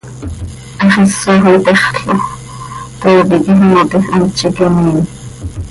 Hax isoj itexl oo, trooqui quij ano tiij, hant z iiqui miin.